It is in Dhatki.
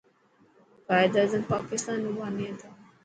قائداعظم پاڪستان رو باني هتو.